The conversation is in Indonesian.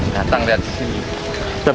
datang lihat disini